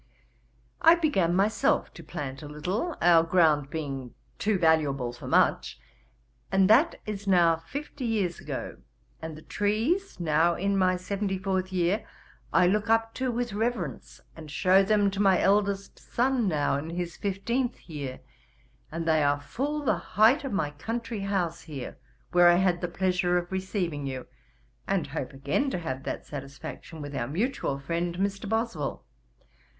I began myself to plant a little, our ground being too valuable for much, and that is now fifty years ago; and the trees, now in my seventy fourth year, I look up to with reverence, and shew them to my eldest son now in his fifteenth year, and they are full the height of my country house here, where I had the pleasure of receiving you, and hope again to have that satisfaction with our mutual friend, Mr. Boswell.